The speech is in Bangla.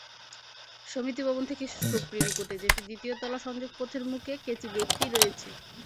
সমিতি ভবন থেকে সুপ্রিম কোর্টে যেতে দ্বিতীয় তলার সংযোগপথের মুখে কেচিগেটটি রয়েছে।